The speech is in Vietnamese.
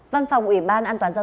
văn phòng ubnd vừa có văn bản